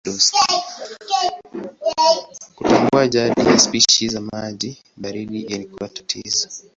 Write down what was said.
Kutambua jadi ya spishi za maji baridi ilikuwa tatizo.